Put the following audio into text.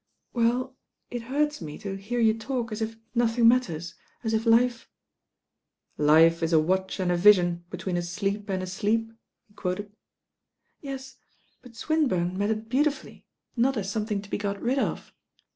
192 THE RAIN GIRL "Well, it hurts me to hear you talk as if nothing matters, as if life "," 'Life is a watch and a vision, between a sleep and a sleep?'" he quoted. "Yes; but Swinburne meant it beautifully, not as something to be got rid of.